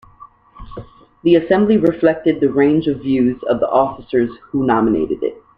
The assembly reflected the range of views of the officers who nominated it.